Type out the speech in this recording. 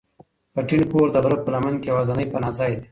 خټین کور د غره په لمن کې یوازینی پناه ځای دی.